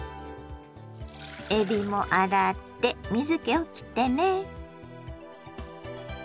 えびも洗って水けをきってね。